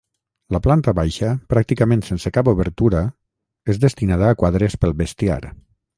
La planta baixa, pràcticament sense cap obertura, és destinada a quadres pel bestiar.